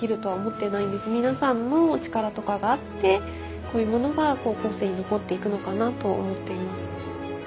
皆さんの力とかがあってこういうものが後世に残っていくのかなと思っています。